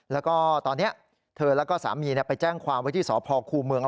แล้วก็ตอนเนี้ยเธอแล้วก็สามีไปแจ้งความวิทยุทธิสอบพอครูเมือง